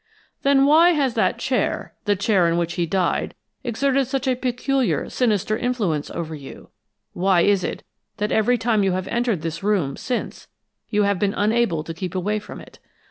"Then why has that chair the chair in which he died exerted such a peculiar, sinister influence over you? Why is it that every time you have entered this room since, you have been unable to keep away from it?